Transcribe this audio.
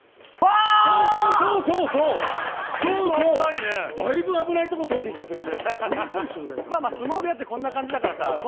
そうそう、だいぶ危ないところとんでっちゃったよ。